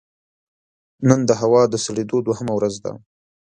نن د هوا د سړېدو دوهمه ورځ ده